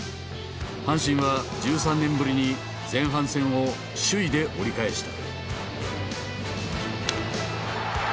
阪神は１３年ぶりに前半戦を首位で折り返した。